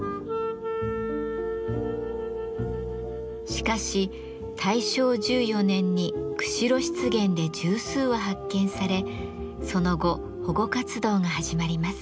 しかし大正１４年に釧路湿原で十数羽発見されその後保護活動が始まります。